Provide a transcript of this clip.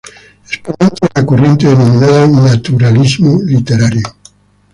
Exponente de la corriente denominada Naturalismo literario.